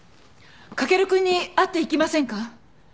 駆くんに会っていきませんか？